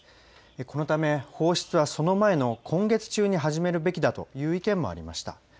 このため放出はその前の今月中に始めるべきだという意見もありました。